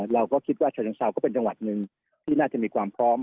เราก็คิดว่าฉะเชิงเซาก็เป็นจังหวัดหนึ่งที่น่าจะมีความพร้อม